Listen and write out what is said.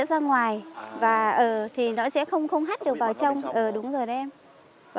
gió nó vẫn lọt vào được